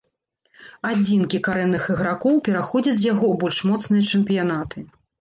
Адзінкі карэнных ігракоў пераходзяць з яго ў больш моцныя чэмпіянаты.